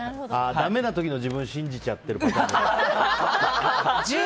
だめな時の自分を信じてるパターンだ。